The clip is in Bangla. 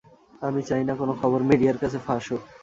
আমি চাই না কোনো খবর মিডিয়ার কাছে ফাঁস হোক।